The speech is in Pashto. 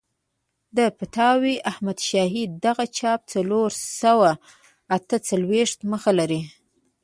د فتاوی احمدشاهي دغه چاپ څلور سوه اته څلوېښت مخه لري.